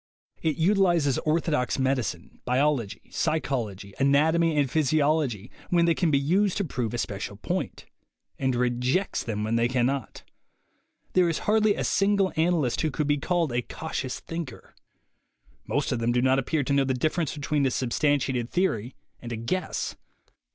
It utilizes orthodox medicine, biology, psychology, anatomy and physiology when they can be used to prove a special point, and rejects them when they can not. There is hardly a single analyst who could be called a cautious thinker. Most of them do not appear to know the difference between a substantiated theory and a guess.